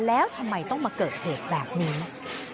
แล้วทำไมต้องมาเกิดเหตุแบบนี้